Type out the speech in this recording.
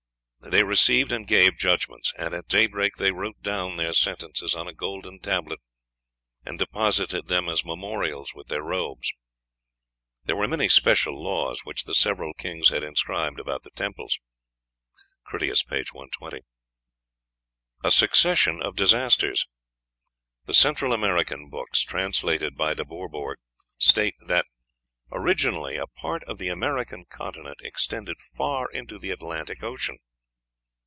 They received and gave judgments, and at daybreak they wrote down their sentences on a golden tablet, and deposited them as memorials with their robes. There were many special laws which the several kings had inscribed about the temples." (Critias, p. 120.) A Succession of Disasters. The Central American books, translated by De Bourbourg, state that originally a part of the American continent extended far into the Atlantic Ocean.